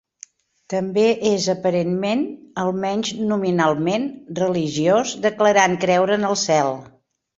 També és aparentment, almenys nominalment, religiós, declarant creure en el cel.